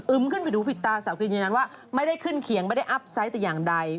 ขึ้นไปดูผิดตาสาวกรีนยืนยันว่าไม่ได้ขึ้นเขียงไม่ได้อัพไซต์แต่อย่างใด